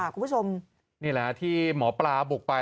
นี่แหละที่หมอปลาบุกไป